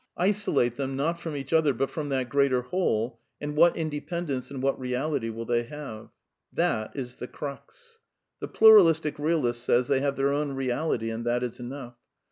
Isolate them, not from each other, but from that greater Whole, and what inde pendence and what reality will they have? That is the crux. The pluralistic realist says they have t heir own realit y and that is enough.